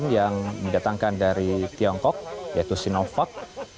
yang didatangkan dari tiongkok yaitu sinovac